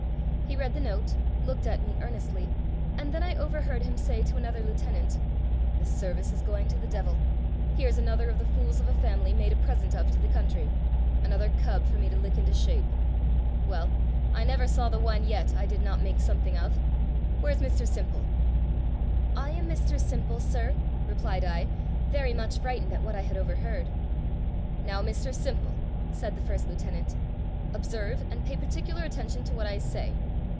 He read the note, looked at me earnestly, and then I overheard him say to another lieutenant, "The service is going to the devil. Here's another of the fools of a family made a present of to the country another cub for me to lick into shape. Well, I never saw the one yet I did not make something of. Where's Mr Simple?" "I am Mr Simple, sir," replied I, very much frightened at what I had overheard. "Now, Mr Simple," said the first lieutenant, "observe and pay particular attention to what I say.